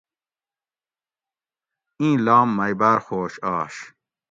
اِیں لام مئ باۤر خوش آش